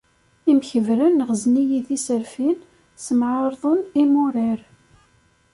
Imkebbren ɣzen-iyi tiserfin, ssemɛarḍen imurar.